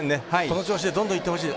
この調子でどんどんいってほしい。